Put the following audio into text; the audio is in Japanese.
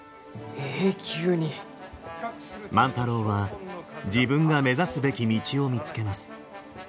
万太郎は自分が目指すべき道を見つけます。